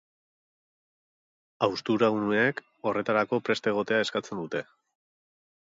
Haustura uneek horretarako prest egotea eskatzen dute.